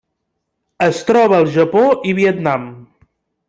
Es troba al Japó i Vietnam.